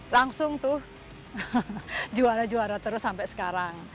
langsung tuh juara juara terus sampai sekarang